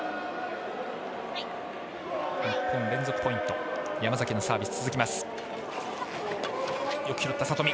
日本、連続ポイントで山崎のサーブが続きます。